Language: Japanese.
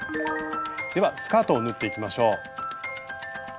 ではスカートを縫っていきましょう。